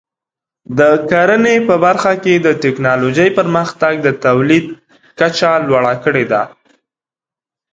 د کرنې په برخه کې د ټکنالوژۍ پرمختګ د تولید کچه لوړه کړې ده.